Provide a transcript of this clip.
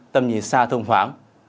tầm nhìn xa thông khoáng